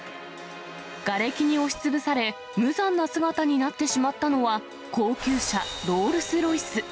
がれきに押しつぶされ、無残な姿になってしまったのは、高級車、ロールスロイス。